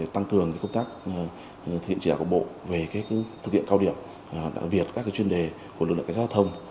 tăng cường công tác thực hiện chỉ đạo bộ về thực hiện cao điểm đặc biệt các chuyên đề của lực lượng giao thông